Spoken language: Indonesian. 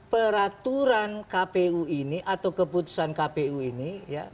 peraturan kpu ini atau keputusan kpu ini